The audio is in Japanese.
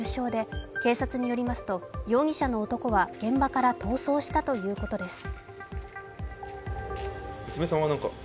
警察によりますと容疑者の男は現場から逃走したということです。